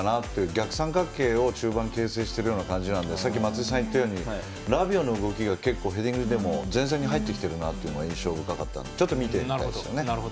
逆三角形を中盤形成している感じなのでさっき松井さんが言ったようにラビオの動きが、結構ヘディングでも前線に入ってきているというのが印象深かったのでちょっと見ていきたいですね。